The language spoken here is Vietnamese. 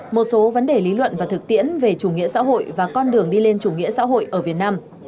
một số vấn đề lý luận và thực tiễn về chủ nghĩa xã hội và con đường đi lên chủ nghĩa xã hội ở việt nam